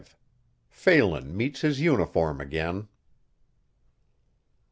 PHELAN MEETS HIS UNIFORM AGAIN.